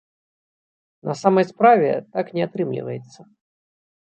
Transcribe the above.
На самай справе, так не атрымліваецца.